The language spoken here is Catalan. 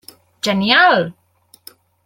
Genial!